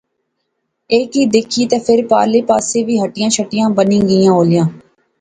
ایہہ کی دیکھی تہ فیر پارلے پاسے وی ہٹیاں شٹیاں بنی گئیاں ہولیاں